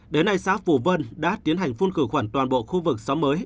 đến nay xã phủ vân đã tiến hành phun cử khoản toàn bộ khu vực xóm mới